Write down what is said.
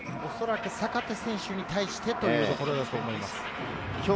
坂手選手に対してというところだと思います。